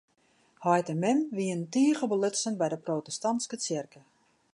Heit en mem wiene tige belutsen by de protestantske tsjerke.